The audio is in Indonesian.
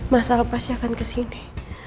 masalah pasti akan kesini